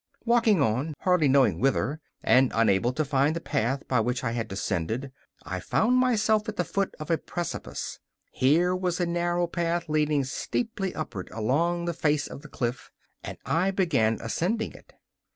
Walking on, hardly knowing whither, and unable to find the path by which I had descended, I found myself at the foot of a precipice. Here was a narrow path leading steeply upward along the face of the cliff, and I began ascending it.